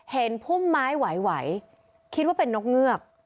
พุ่มไม้ไหวคิดว่าเป็นนกเงือก